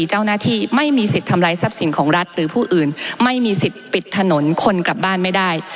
หรือผู้อื่นไม่มีสิทธิ์ปิดถนนคนกลับบ้านไม่ได้